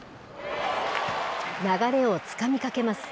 流れをつかみかけます。